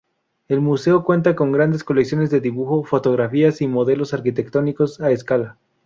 El museo cuenta con grandes colecciones de dibujos, fotografías y modelos arquitectónicos a escala.